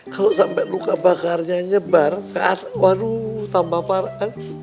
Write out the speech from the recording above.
kalau sampai luka bakarnya nyebar waduh tambah parah kan